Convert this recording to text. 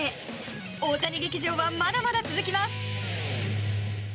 大谷劇場はまだまだ続きます。